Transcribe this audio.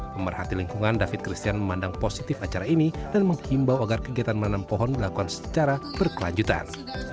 pemerhati lingkungan david christian memandang positif acara ini dan menghimbau agar kegiatan menanam pohon dilakukan secara berkelanjutan